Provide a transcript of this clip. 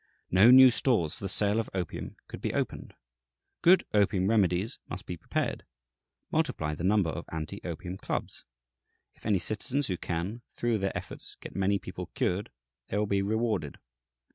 No new stores for the sale of opium could be opened. "Good opium remedies must be prepared. Multiply the number of anti opium clubs. If any citizens who can, through their efforts, get many people cured, they will be rewarded....